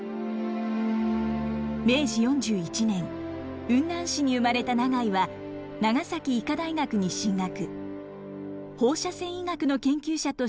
明治４１年雲南市に生まれた永井は長崎医科大学に進学。